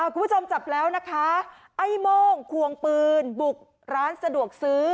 คุณผู้ชมจับแล้วนะคะไอ้โม่งควงปืนบุกร้านสะดวกซื้อ